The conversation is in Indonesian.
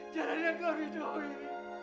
jalan yang kau rindu ya allah